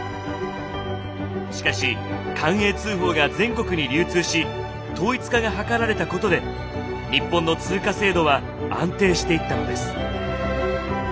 しかし寛永通宝が全国に流通し統一化が図られたことで日本の通貨制度は安定していったのです。